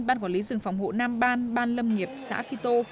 ban quản lý rừng phòng hộ nam ban ban lâm nghiệp xã phi tô